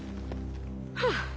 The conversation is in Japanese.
はあ！